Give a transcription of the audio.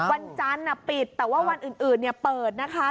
วันจันทร์ปิดแต่ว่าวันอื่นเปิดนะคะ